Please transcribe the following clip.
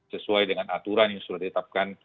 sesuai dengan aturan yang sudah ditetapkan